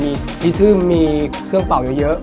มีพิชื่นมีเครื่องเปล่าเยอะ